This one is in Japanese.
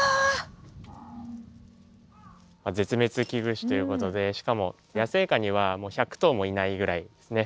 絶滅危惧種ということでしかも野生下には１００頭もいないぐらいですね